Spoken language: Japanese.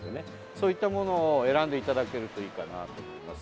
そういったものを選んでいただくといいと思います。